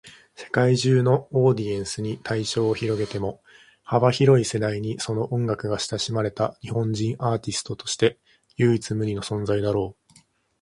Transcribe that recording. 世界中のオーディエンスに対象を広げても、幅広い世代にその音楽が親しまれた日本人アーティストとして唯一無二の存在だろう。